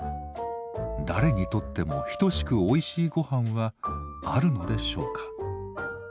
誰にとっても等しくおいしいごはんはあるのでしょうか？